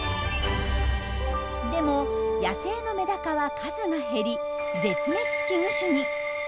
でも野生のメダカは数が減り絶滅危惧種に。